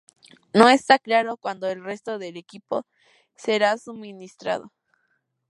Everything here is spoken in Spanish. No está claro cuando el resto del equipo será suministrado.